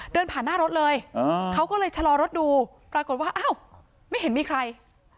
เดินผ่านหน้ารถเลยเขาก็เลยชะลอรถดูปรากฏว่าอ้าวไม่เห็นมีใคร